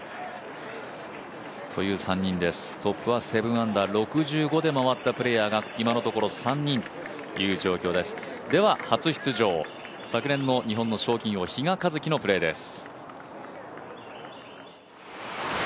トップは７アンダー、６５でまわったプレーヤーが今のところ３人いますでは、初出場昨年の日本の賞金王比嘉一貴のプレーです。